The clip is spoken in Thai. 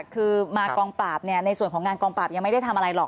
คือมากองปราบในส่วนของงานกองปราบยังไม่ได้ทำอะไรหรอก